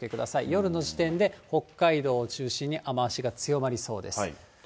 夜の時点で、北海道を中心に雨足が強まりそうです。